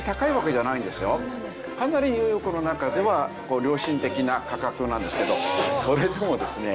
かなりニューヨークの中では良心的な価格なんですけどそれでもですね